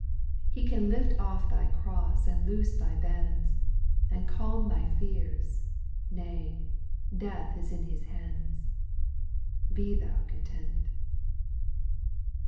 He can lift off thy cross, and loose thy bands, And calm thy fears, nay, death is in His hands. Be th(m content.